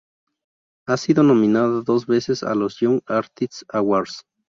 Ha sido nominada dos veces a los Young Artist Awards.